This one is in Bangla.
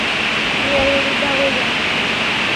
এয়ার ইউনিট, ভাগ হয়ে যাও।